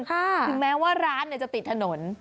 ถึงแม้ว่าร้านจะติดถนน